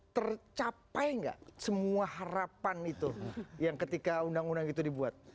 tercapai nggak semua harapan itu yang ketika undang undang itu dibuat